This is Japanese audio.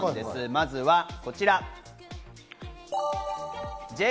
まずはこちら。